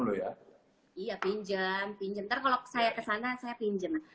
nanti kalau saya kesana saya pinjem